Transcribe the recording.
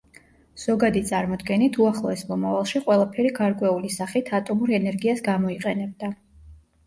ზოგადი წარმოდგენით უახლოეს მომავალში ყველაფერი გარკვეული სახით ატომურ ენერგიას გამოიყენებდა.